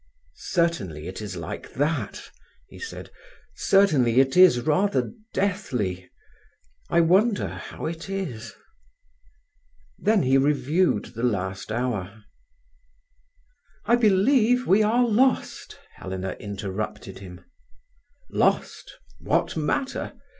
"Certainly it is like that," he said. "Certainly it is rather deathly. I wonder how it is." Then he reviewed the last hour. "I believe we are lost!" Helena interrupted him. "Lost! What matter!"